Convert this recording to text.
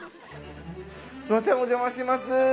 すいませんお邪魔します。